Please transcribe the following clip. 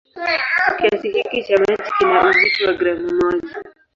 Kiasi hiki cha maji kina uzito wa gramu moja.